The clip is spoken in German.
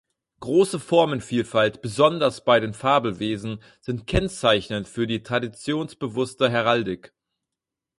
Große Formenvielfalt, besonders bei den Fabelwesen, sind kennzeichnend für die traditionsbewusste Heraldik.